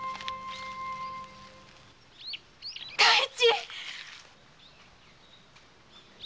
太一！